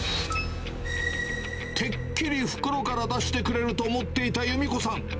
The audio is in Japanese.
てっきり袋から出してくれると思っていた優巳子さん。